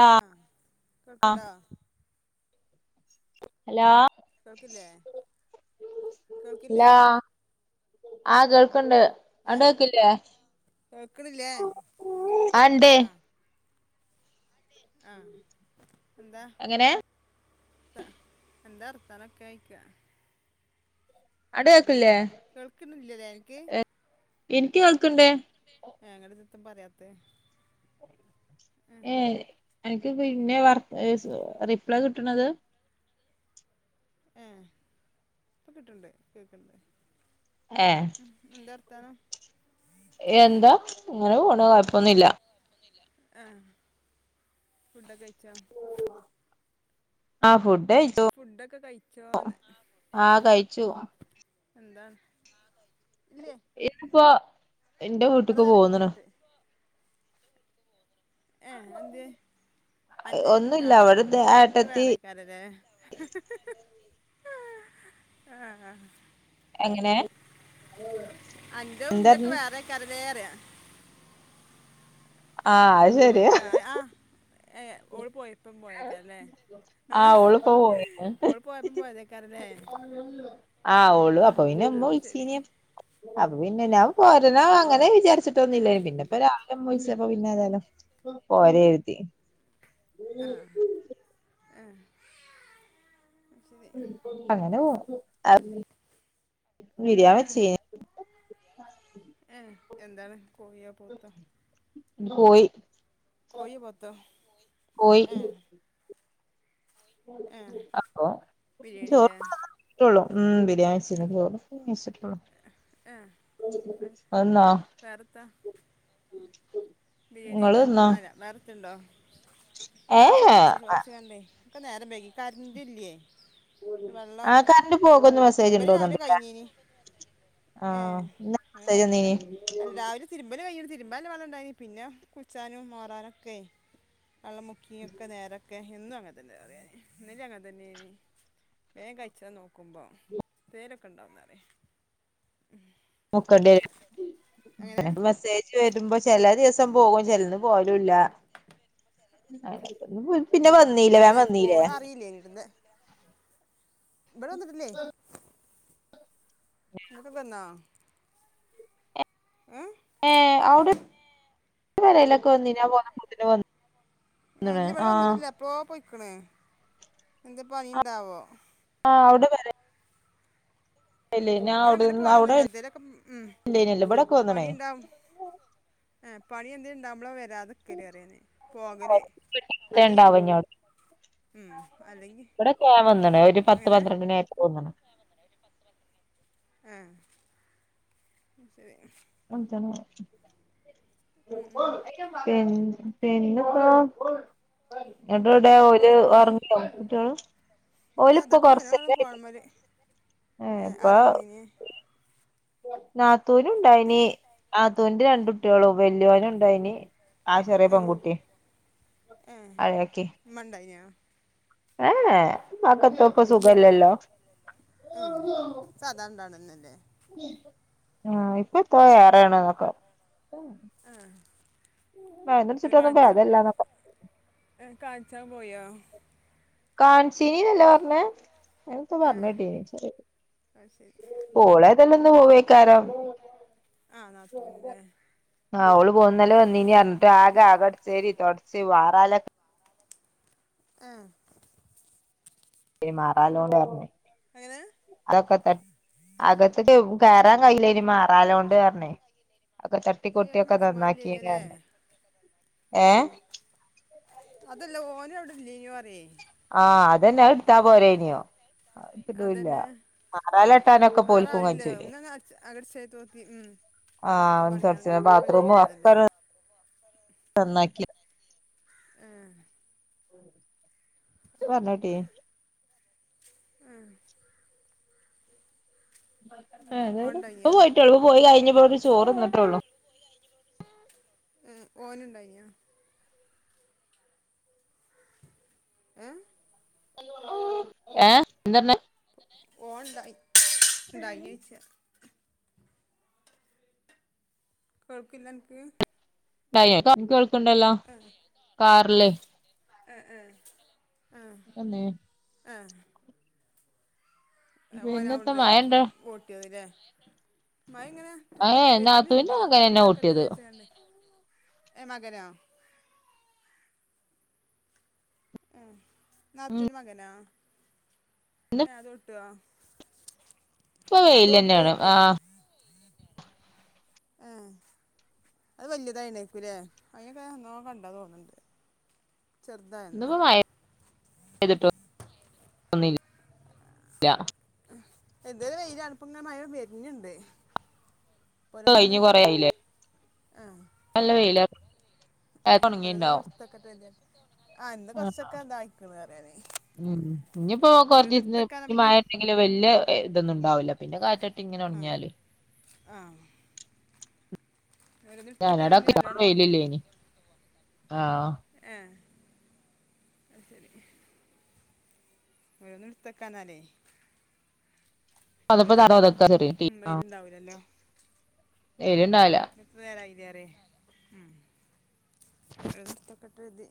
ആ ആഹ് കേൾക്ണ്ടാ ഹലോ കേക്കില്ലേ ല്ലാ ആ കേൾക്ണ്ട് അങ്ങട്ട് ഏഹ് കേക്ക് ല്ലേ കേൾക്ക്ണില്ലേ ആ ണ്ട് ആഹ് ആഹ് എന്താ എങ്ങനെ എന്താ വർത്താനൊക്കെ ചോയിക്കാ അഡ്കേക്ക് ലേ കേൾക്കുന്നില്ലല്ലേ ഇനിക്ക് എനിക്ക് കേൾക്കുണ്ട് ഞങ്ങടെടത്ത് പറയാത്തെ ഏഹ് എനിക്ക് പിന്നെ വർ റിപ്ലൈ കിട്ടണത് ഏഹ് ഇപ്പ കിട്ടണുണ്ട് കേൾക്കണുണ്ട് ഏഹ് എന്താ വർത്താനം എന്തോ അങ്ങനെ പോണു കുഴപ്പൊന്നുമില്ല ആഹ് ഫുഡൊക്കെ കഴിച്ചോ ആഹ് ഫുഡ് കയ്ച്ച് ഫുഡൊക്കെ കഴിച്ചോന്ന് ആ കഴിച്ചു ഏഹ് എന്താ ഇല്ലേ ഇന്നിപ്പോ എന്റെ പറ വീട്ടിക്ക് നേരൊക്കെ പോന്നണ് പോയിട്ട് ഏഹ് എന്ത്യെ അന്റെ വീട് ഒന്നുമില്ല ആഹ് അവിടുത്തെ ക്ക് ഏട്ടത്തി വേറെ [unintelligible] ആഹ് എങ്ങനെ അഞ്ചോ എന്താ ൻ്റൊക്കെ വേറെയൊക്കെ അത് വേറെ പറയാ ആഹ് അത് ശരി. ആഹ് ആ ആഹ് ആ, ആഹ് ഓളിപ്പോ പോയീന് ഓള് പോയപ്പം പോയതേക്കാരല്ലേ ആഹ് ഓളും അപ്പൊ പിന്നെ ഉമ്മ അത് ശരി വിളിച്ചീന് അപ്പൊ പിന്നെ ഉം. ഞാൻ പോ നാ അങ്ങനെ ഏ, വിചാരിച്ചിട്ടൊന്നുമില്ല പിന്നെ ഇപ്പ രാവിലെ വിളിച്ചപ്പോ പിന്നെ ഏതായാലും പോരാന്ന് കരുതി. ഏഹ് അങ്ങനെ പോണു ബിരിയാണി വച്ചു ഏഹ് എന്താണ് കോയിയാ പോത്താ? കോയി കോയിയോ പോത്തോ കോയി ഏഹ് ആഹ് ബിരിയാണിലെ മാത്രെ ഉള്ളു മ്മ് ബിരിയാണി കയിച്ചിട്ടുള്ളൂ ഏ, അത് വന്നോ വേറെത്താ ബിരിയാണിയൊക്കെ വേറത്തുണ്ടോ ആഹ് ഏഹ് ചോറ് കയിച്ചു ചോറ് കയിച്ചു കണ്ടേ ഒക്കെ നേരം വൈകി കറണ്ട് ഇല്ലിയേ ആ വെള്ളം കറണ്ട് പോകുന്ന് മെസ്സേജ് ഇണ്ട് തിരുമ്പല് രാവിലെ തോന്ന്ണ്ട്ല്ലേ കയിഞ്ഞീനി ഏഹ് ആഹ് ഇന്നലെ അതിനെ മെസ്സേജ് കണ്ടട്ടില്ല വന്നീനി അല്ല രാവിലെ തിരുമ്പല് കയിഞ്ഞു തിരുമ്പാന് വെള്ളം ഉണ്ടായിനി പിന്നെ കുച്ചാനും മാറാനൊക്കെ. വെള്ളം മുക്കിയൊക്കെ നേരൊക്കെ എന്നും അങ്ങനെ തന്നെ അറിയാൻ ഇന്നലെ അങ്ങനെ തന്നെയാരുന്നു വേഗം കയിച്ചാൻ നോക്കുമ്പോ എന്തെലും ഒക്കെ ഉണ്ടാവുന്നു പറയാ മ്മ് മുക്കണ്ട വരും മെസ്സേജ് വരുമ്പോ ചില ദിവസം പോകും ചിലതിന് പോകലും ഇല്ല പിന്നെ വന്നീല്ലെ വേഗം വന്നീല്ലെ ഇല്ലേ ഇടുന്നെ ഇവടെ വന്നിട്ടില്ലെ നിങ്ങക്ക് വന്നാ ങും ഏഹ് അവിടെ കുഞ്ഞിനെ [unintelligible] ആഹ് ഇപ്പോളെ പോയ്ക്കണ് എന്ത് പണിയുണ്ടാവോ ആഹ് അവിടെ പറ ഇബടെ അങ്ങനെ അവിടെന്ന് അവിടെ പോലൊന്നുമില്ല എന്തേലൊക്കെ മ്മ് ഇല്ലേനല്ലോ ഇവിടൊക്കെ വന്ന്ണേ പണിയുണ്ടാവും ആപണിയെന്തെങ്കില്ണ്ടാക്മ്പളാ വരാതെക്കലറിയല് പോകല് അലിയും ണ്ടാവും ഇഞ്ഞോട് ആഹ് അല്ലെങ്കിൽ ഇവിടൊക്കെ ഞാൻ വന്ന്ണ് ഒരു പത്ത് യെങ്ങനെ പന്ത്രണ്ടിനായപ്പോ വന്ന്ണ് ഏഹ് ശെരി [unintelligible] ഉം, ഉം. പി പിന്നെപ്പോ പിന്നെന്താ ഇങ്ങോട്ട് ന്ന്ട്ടൊടെഓല് ഒറങ്ങ്യോ കുട്ടിൾ ഇല്ല്യ തക്ണ്ഒരാള്ഫോണുമ്മല് ഏഹ് ഏഹ്ആരാവന്നീന് നാത്തൂന്ണ്ടായിനി നാത്തൂന്റെരണ്ടുട്ടിയേളുംവല്യൊരുണ്ടായിനി ഏ ആചെറിയെപെൺകുട്ടി അഴെക്കി ഇമ്മണ്ടയിനാ ഏഹ് ഏഹ്ഇമ്മാക്ക്പപ്പസുഖല്ലല്ലോ ഹ് സാധാരണണ്ടാവണന്നല്ലേ ആഹ്ഇപ്പപ്പൊയേറെണ് എന്നൊക്കെ ആഹ് മരുന്ന് ന്നട്ട് കുടിച്ചിട്ടൊന്നും കാണിച്ച ഭേദല്ലാന്ന ഹെ കാണിച്ചപോയ കൺച്ചീന്നല്ലേപറഞ്ഞെഅങ്ങനൊക്കെപറഞ്ഞേട്ടീന്ന് ഇച്ഛരില്ല ആഹ് ശെരി ഓളെതായാലുന്ന് പോവെക്കാരം ആഹ് നാത്തൂന്ല്ലേ ആഹ് ഓള്പോ ഇന്നാലെ വന്നിനിഅറിഞ് ട്ട് ആക്കെ അകടിചോരി തൊടച് മാറാലക്കെ ആഹ് മാറാലോളാണ്ട്‌ നർന്ന് അങ്ങനെ അതൊക്കെത്തട്ടി അകത്ത്കാവും കേറാൻകയ്യിലെന്ന് മാറാലോണ്ടറിഞ്ഞ് അയാള് മനസ്സമാരില്ലേനല്ലേ അതൊക്കെതട്ടിക്കോട്ടിയൊക്കെനന്നാക്കിനിന്നറിഞ് ഏഹ് അതല്ല ഓനവിടല്ല്യനി പറേയ് ആഹ് അതെന്നെ അയിട്ടാപോരായിനോ എടുത്തിറ്റൂല്ല അതന്നെ മാറലാട്ടനൊകക്കെപ്പൊ വേറെ ഓല്ക്കും ആരുല്ല കച്ചുലെ ഒന്നന്നെ അടിച്ച് അങ്ങട് ചെയ്ത് നോക്കി ഉം ഇപ്പൊ ആഹ് കത്തപ്പ വന്ന് പണിയാണെങ്കി ന്തൊർച്ക്കണ്ട് ഇപ്പൊക്കെ ചെയ്യണതല്ലേ ബാത്റൂംമൊക്ക നന്നാക്കി ആഹ് ത്പറഞ്ഞോട്ടിനു മ് ഏതായാലും ഇപ്പപോയിട്ടള്ളൂപോയി കഴിഞ്ഞിവര് ചോറ്ന്ന്ട്ടൊള്ളു പോയി കഴിന്നിവർ ചോറ്ന്ന്ട്ടൊള്ളൂ മ് ഒന്ണ്ടായിനാ ഹെ ഏഹ് എന്തന്ന ഓൻണ്ടായിണ്ടയിനോച്ചാ കൊക്കില്ലൻക്ക് കയെ ന്ക്ക് കേൾക്കണ്ടല്ലോ ആഹ് കാറില് ആഹ് ആഹ് കേൾക്കുണ്ടല്ലോ ആഹ് കാറിൽ അഹ് ഓൻ പിന്നെത്ത അവിന്ന് മഴണ്ടോ ഒട്ടിയത് ലേ മഴണ്ടവിടെ മയെങ്ങനെ തുള്ളിടാൻ ഏഹ് വരുരുണ്ട് നാത്തൂന്റെ മകനെന്നെ അആക്കെട്ത്ത ഓട്ടിയത് ക്കട്ടെവിചാരിച്ചോണ്ട് ഏഹ് മകനൊ ആഹ് നാത്തൂന് മകനാ ആഹ് അതൊട്ടൊ ഇപ്പൊ വെയിലേന്നെയാണ് ആഹ് അഹ് വലിയതായിണേക്കൂല്ലേ അയ്നൊക്കെ ഞാൻ കണ്ടാതാ തോന്നുണ്ട് ഇന്നിപ്പോമഴ പെയ്തിടോഓന്നില്ല്യ എന്തോര് വെയിലാണ് ഇപ്പങ്ങനെമഴവരുന്ണ്ട് ഇപ്പൊ പോരാനരന്നു കഴിഞ്ഞ് കൊറേ ആയില്ലേ ആഹ് നല്ല വെയില ആഹ് ഓരോന്ന് ഓരോന്ന് എടുത്തക്കട്ടെ എല്ലേ ആ എന്നാ ആഹ് കൊറച്ചൊക്കെ ഇതാക്കണ് പറയാനായി. ഉം ഇഞ്ഞിപ്പോ കൊറച്ചീസത്തിന് പിന്നെ മഴന്നേ ഇല്ല വല്യ ഇതൊന്നും ഉണ്ടാവൂല പിന്നെ കാറ്റട്ടിങ്ങനെ ആ ഉണങ്ങ്യാലും. ആ ഓരോന്ന് ഇടുത്തു ഞാനട വെക്കാതിരുന്നാ നല്ലോണം ഉണങ്ങും. വെയിലില്ലേനി ആഹ് ഏഹ് അയ്ശരി. ഓരോന്ന് എടുത്ത് വെക്കാന്നാലെ. അതപ്പോ തറ ഇവാരാതൊന്നും ഒതക്കാ ചെറിയ വെയിലുണ്ടാവിലല്ലോ. വെയിലുണ്ടാവില്ലാ എത്ര നേരായി കേറി ഉം എടുത്തെക്കട്ടെതി.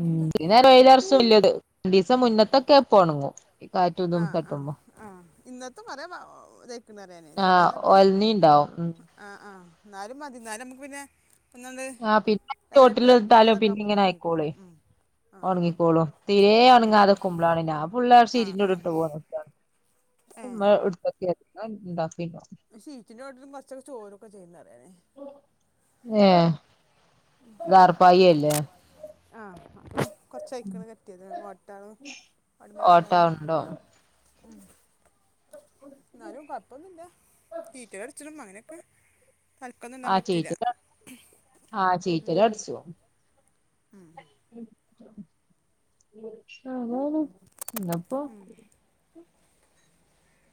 ഉം ഈ നേരം വെയിലറച്ചത് വല്യാത് രണ്ടീസം മുന്നത്തൊക്കെ ഇപ്പോ ഒണങ്ങും. ഈ കാറ്റും ഇതും ആഹ് ആഹ് തട്ടുമ്പോ ആഹ് ഇന്നത്തെ [unintelligible] ഇതായിക്ക്ണ് പറിയന് ചെലതൊ ഒലനീണ്ടാവും ഉം ആഹ് ആഹ് എന്നാലും മതി എന്നാലും നമുക്ക് പിന്നെ. ഒന്നാണ്ട് ആഹ് പിന്നെ തോട്ടിൽ ഇറയിട്ടാലും ഇട്ടാലും പിറ്റേതൊക്കെ പിന്നിം ആകുമ്പോൾ ങ്ങനെ തുടങ്ങിക്കോളും ആയിക്കോളെ ഉം ആ ഉണങ്ങിക്കോളും. തീരെ ഉം ഉം ഉണങ്ങാതെക്കുമ്പോളാണ് ഞാൻ ഫുള്ള് ആ ഷീറ്റിന്റെ ഉള്ളിൽ ഇട്ട് പോന്ന്. ഏ ഉമ്മ എടുത്തെക്ക് [unintelligible] പ്പിനാ ഷീറ്റിന്റെ ചോട്ടിലും കുറച്ചൊക്കെ ചോരുക്കെ ചെയ്യുംന്ന് പറിയന്. ഏഹ് ദാർപ്പായി ആല്ലേ ആഹ് കൊറച്ചയ്ക്കണ് എത്തിയത് ഓട്ടാണ് അടുംബെലെ ഓട്ട ക്ക്ങ്ങനെ. ഉണ്ടോ ഉം എന്നാലും കൊഴപ്പൊന്നുല്ല ചീറ്റലടിച്ചിടും അങ്ങനൊക്കെ. തല്ക്കന്ന് തിന്നാൻ ആഹ് പറ്റൂല ചീറ്റല് ആഹ് ഉം. [unintelligible] ഉം ഉം അതാണ് ധം ഉം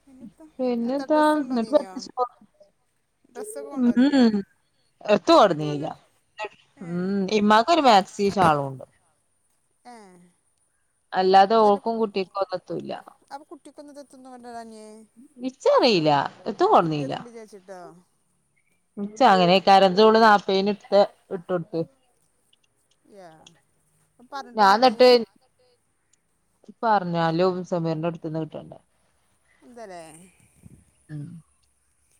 പിന്നെത്താ എത്ര പിന്നെത്താ ഡ്രസ്സ് ന്നട്ട് കൊണ്ടുവന്നീനിയോ പ്രത്യേകിച്ച്ട്ടോ ഡ്രസ്സൊക്കെ കൊണ്ടുവന്നീനിയോ ഉം എത്തും എത്ര കൊടന്നീല കൊണ്ടുവന്നു ഏ ഉം ഇമ്മാക്കൊരു മാക്സിം ഷാളുണ്ട്. ഏഹ് അല്ലാതെ അതല്ലപ്പൊ ഓൾക്കും കുട്ടിക്കും ഒന്നെത്തൂല്ല അപ്പോ കുട്ടിക്കൊന്നും ഇത് തിന്നും വേണ്ടരാഞ്ഞെ ഇച്ചറീല്ല എത്തും കിട്ടിയതുണ്ട് വിചാരിച്ചിട്ട ഉച്ച ആകാനേക്കാരം ഇത് ഓള് നാപ്പഴിന് ഇട്ത്ത ഇട്ട ഉടുപ്പ്. ക്യാ ഞാൻ എന്നട്ട് പറഞ്ഞാലും സമീറിന്റെ അടുത്തന്ന് കിട്ടണ്ടേ. എന്താല്ലേ ഉം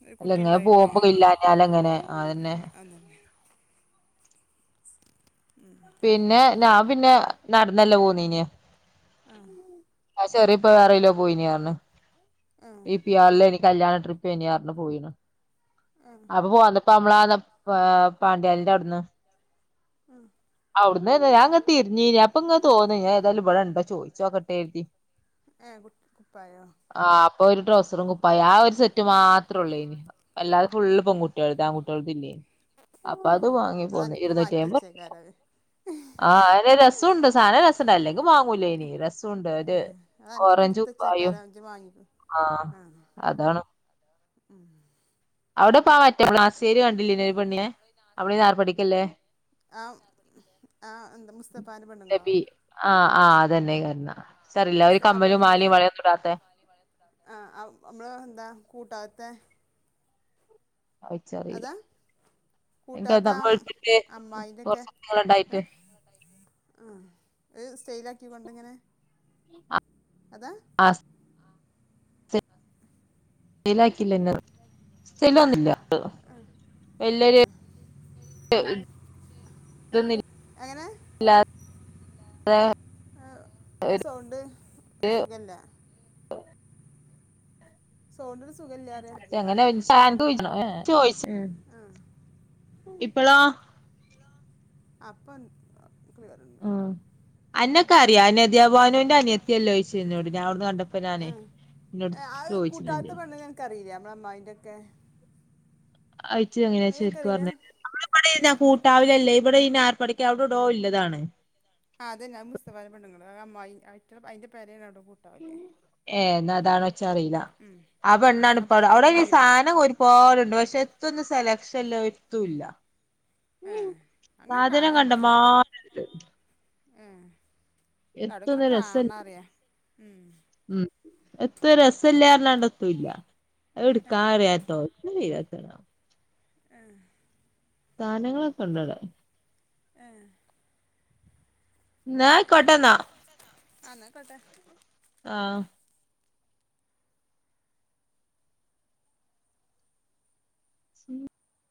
ഒരു അല്ല ഇങ്ങനെ കുട്ടിണ്ടായിട്ട് പോകുമ്പോ ഇല്ലാഞ്ഞാലെങ്ങനെ അതെന്നെ നോക്ക്ണ്‌ല്യാഞ്ഞാലെങ്ങനെ അങ്ങനെ. ഉം പിന്നെ ഞാൻ പിന്നെ നടന്നല്ലേ പോന്നിനെ. ആ ആ ചെറി ഇപ്പോ വേറെയിലോ പോയിനി പറഞ്ഞ് ഏ ഇ പി ആർ ലെനി കല്യാണ ട്രിപ്പനി പറഞ്ഞു പോയിനു ഏ അപ്പോ പോന്ന പ്പ ആമ്മളധം പാ പാണ്ട്യാലിന്റെ അവിടുന്ന്. ആഹ് അവിടുന്ന് ഏതാ ഞാനിങ്ങനെ തിരിഞ്ഞീനി അപ്പോ ങ്ങനെ തോന്നി ഞാൻ ഏതാലും ഇവിടെ ഇണ്ടോ ചോദിച്ചോക്കട്ടെ കരുതി. ഏഹ് കുട് പ്പായോ? ആഹ് അപ്പോ ഒരു ട്രൗസറും കുപ്പായ ആ ഒരു സെറ്റ് മാത്രോ ഉള്ളേനി. അല്ലാതെ ഫുള്ള് പെൺകുട്ടികൾതാ ആൺകുട്ടിൾത് ഇല്ലേനി അപ്പോ അത് വാങ്ങി പോന്ന് ഇരുന്നൂറ്റൈമ്പത് കാരാത്. ആഹ്, അതെന്നെ രസൂണ്ട് സാധനം രസണ്ട് അല്ലെങ്കിൽ വാങ്ങൂലേനി രസുണ്ട് ഒര് ഏഹ് അത് അൻക്ക് എടുത്തച്ചേക്കാരം ഇജ്ജ് മാങ്ങി. ആഹ് അതാണ് ഉം അവടെപ്പ മറ്റേ [unintelligible] കണ്ടില്ലേന് ഒരു പെണ്ണിനെ അവടെ നായർപഠിക്കല്ലേ ആഹ് ആഹ് എന്ത് മുസ്തഫന്റെ പെണ്ണ്ങ്ങളോ ലബി ആഹ് ആഹ് അതന്നെ കരുന്ന ആ ഇച്ചറീല്ല ഒരു മുസ് കമ്മലും അബുആജിന്റെ മാലയും വളയൊന്നും ഇടാത്തെ ആഹ് നമ്മള ന്താ കൂട്ടാത്തെ അത്ച്ചറില്ല അതാ കൂട്ടാത്ത ആ [unintelligible] വെൾത്ത്ട്ട് അമ്മായിൻ്റെക്കെ കൊറച് നീളണ്ടായിട്ട് ഏഹ് ആഹ് ഒര് സ്റ്റേയിലാക്കി കൊണ്ട്ങ്ങനെ അതാ ആ സ്റ്റൈലാക്കില്ല ആഹ് [unintelligible] [inaudible] എങ്ങനെ [inaudible] ആ സൗണ്ട് ഒരു സുഖല്ല സോണ്ട്ന് സുഖല്യാതെ [unintelligible] ആഹ് ഇപ്പളൊ ആഹ് പ്പോ ക്ലിയറുണ്ട് അന്നൊക്കറിയാ നധ്യഭാനുന്റെ അനിയത്തിയല്ലോയ്ച്ചിന്നോട് ഞാ അവ്ട്ന്ന് കണ്ടപ്പോനാനെ ആഹ് കൂട്ടാത്ത പെണ്ണിനന്ക്കറിയില്ലേ നമ്മള അമ്മായിന്റൊക്കെ അയിച്ച് എങ്ങന ശെരിക്ക് എനിക്കറിയില്ല പറഞാ ഇവള് ഇബ്ടെനാ കൂട്ടാവിലല്ലേ ഇബടെ ഇ നായർപ്പടിക്കെ അവ്ട ടോ ഇല്ലതാണ് ആഹ് അതന്നെ മുസ്തഫാന്റെ പെണ്ങ്ങള് അമ്മായി ആഹ് അയിന്റെ പേരെണ് അവിടെ കൂട്ടാവിലേയ് ഏഹ് ന്നാ അതാണോ ച്ചാറീല, ആ ഉം. പെണ്ണാണ്പ്പ വടെ അവിടെ അബുവാജീൻ്റെ ഈ മരിയോള് സാനം ഒരു പോല്ണ്ട് പക്ഷെ എത്തൊന്നും സെലക്ഷൻല്ല ഒര്ത്തൂല്ല ഏഹ് അങ്ങനെ കാണവ്ടെ സാധനം കണ്ടമാനണ്ട് ഉം ഇട ഇങ്ങനെ എത്തൊന്നും രസല്ല കാണാറിയാ ഉം ഉം എത്ര രസല്ലാരല്ലാണ്ടത്തുംല്ല ഏ എട്ക്കാൻ അറിയാട്ടാവും [unintelligible] ആഹ് സാനങ്ങളൊക്കെ ണ്ടടെ ഏഹ് ന്നാ ആയിക്കോട്ടെന്നാ ആഹ് ന്നാക്കോട്ടേ ആഹ് ഉം